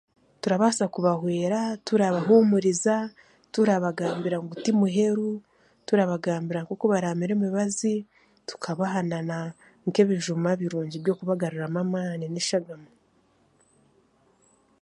Turabaasa kubahweera turabahumuriza, turabagambira ngu timuheru, turabagambira nk'oku baraamire emibaazi tukabaha nk'ebijuuma birungi by'okubagaruramu amaani n'eshagama.